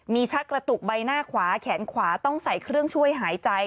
มีชักกระตุกใบหน้าขวาแขนขวาต้องใส่เครื่องช่วยหายใจ